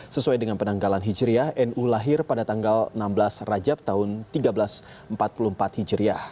sesuai dengan penanggalan hijriah nu lahir pada tanggal enam belas rajab tahun seribu tiga ratus empat puluh empat hijriah